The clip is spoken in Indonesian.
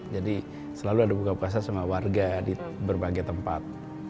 jadi selalu ada buka puasa sama warga di berbagai tempat